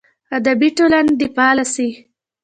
ادبي ټولنې دې فعاله سي.